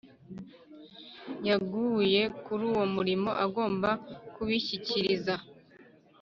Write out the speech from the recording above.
Yeguye kuri uwo murimo agomba kubishyikiriza